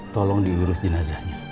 tolong di lurus jinazahnya